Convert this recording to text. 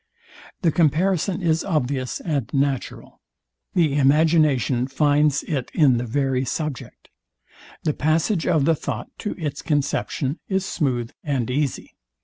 The comparison is obvious and natural: The imagination finds it in the very subject: The passage of the thought to its conception is smooth and easy.